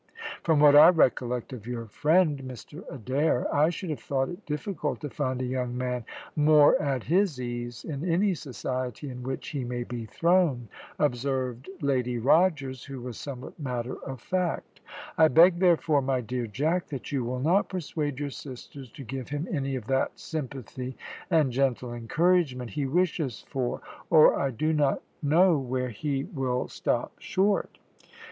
"From what I recollect of your friend, Mr Adair, I should have thought it difficult to find a young man more at his ease in any society into which he may be thrown," observed Lady Rogers, who was somewhat matter of fact; "I beg therefore, my dear Jack, that you will not persuade your sisters to give him any of that sympathy and gentle encouragement he wishes for, or I do not know where he will stop short."